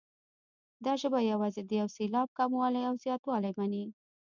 دا ژبه یوازې د یو سېلاب کموالی او زیاتوالی مني.